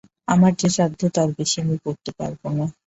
আমার যা সাধ্য তার বেশি আমি করতে পারব না।